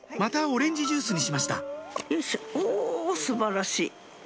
オレンジジュースにしましたお素晴らしい！